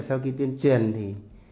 sau khi tuyên truyền thì